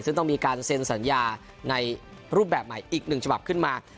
ซึ่งต้องมีการเซ็นสัญญาในรูปแบบใหม่อีกหนึ่งฉบับขึ้นมา